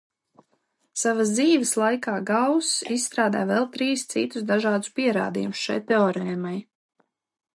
Savas dzīves laikā Gauss izstrādāja vēl trīs citus dažādus pierādījumus šai teorēmai.